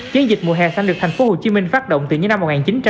chiến dịch mùa hè xanh được tp hcm phát động từ năm một nghìn chín trăm chín mươi bốn